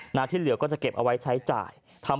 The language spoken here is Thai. หน้าที่เหลือก็จะเก็บเอาไว้ใช้จ่าย